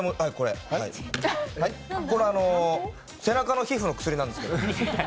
これ、背中の皮膚の薬なんですけど。